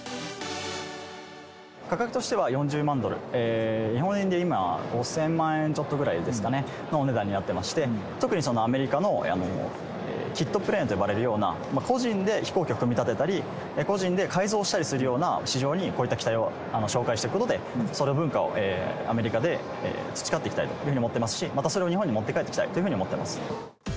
価格としては４０万ドル、日本円で今、５０００万円ちょっとぐらいですかね、のお値段になってまして、特にアメリカのキットプレーンと呼ばれるような、個人で飛行機を組み立てたり、個人で改造したりするような市場に、こういった機体を紹介していくことで、その文化をアメリカで培っていきたいというふうに思っていますし、またそれを日本に持って帰ってきたいというふうに思ってます。